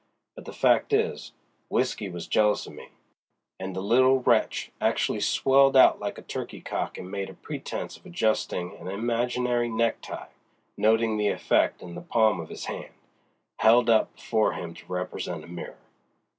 But the fact is, W'isky was jealous o' me"—and the little wretch actually swelled out like a turkeycock and made a pretense of adjusting an imaginary neck tie, noting the effect in the palm of his hand, held up before him to represent a mirror.